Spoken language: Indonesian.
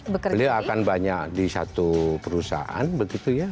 beliau akan banyak di satu perusahaan begitu ya